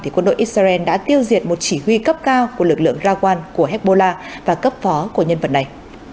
quân đội israel đã tiêu diệt một chỉ huy cấp cao của lực lượng raquan của hezbollah và cấp phó của nhân vật này